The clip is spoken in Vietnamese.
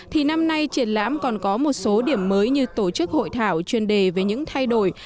thì năm nay triển lãm còn có một số điểm mới như tổ chức hội thảo chuyên đề về những thay đổi